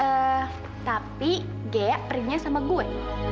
eh tapi ghea perihnya sama gue